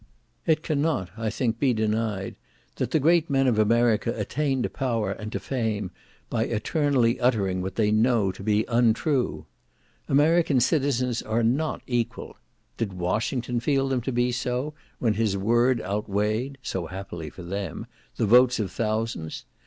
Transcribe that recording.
It cannot, I think, be denied that the great men of America attain to power and to fame, by eternally uttering what they know to be untrue. American citizens are not equal. Did Washington feel them to be so, when his word outweighed (so happily for them) the votes of thousands?